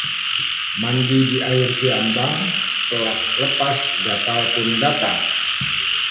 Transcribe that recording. Mandi di air kiambang, pelak lepas gatalpun datang